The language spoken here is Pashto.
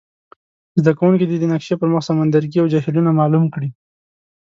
زده کوونکي دې د نقشي پر مخ سمندرګي او جهیلونه معلوم کړي.